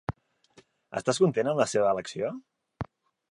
Estàs content amb la seva elecció?